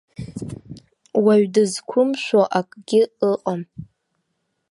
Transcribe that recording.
Уаҩ дызқәымшәо акгьы ыҟам.